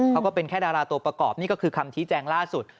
ก็เป็นแค่ดาราตัวประกอบนี่ก็คือคำชี้แจงล่าสุด